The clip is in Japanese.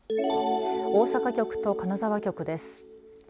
大阪局と金沢局です。